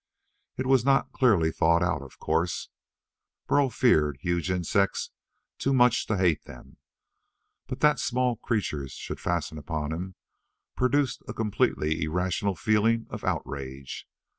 It was not clearly thought out, of course. Burl feared huge insects too much to hate them. But that small creatures should fasten upon him produced a completely irrational feeling of outrage.